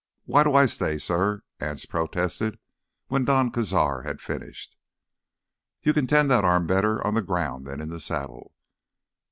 "Why do I stay, suh?" Anse protested when Don Cazar had finished. "You can tend that arm better on the ground than in the saddle."